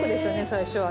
最初は。